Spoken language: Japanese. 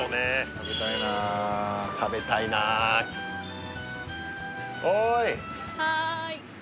食べたいな食べたいなはい！